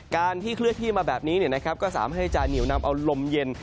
การที่เคลื่อนที่มาแบบนี้ก็สามารถให้จะเหนียวนำเอาลมเย็น